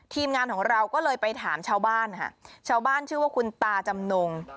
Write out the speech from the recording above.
ทีมงานของเราก็เลยไปถามชาวบ้านค่ะชาวบ้านชื่อว่าคุณตาจำนง